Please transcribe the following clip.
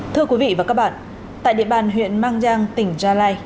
thưa quý vị và các bạn tại địa bàn huyện mang giang tỉnh gia lai